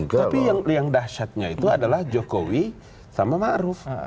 tapi yang dahsyatnya itu adalah jokowi sama ma'ruf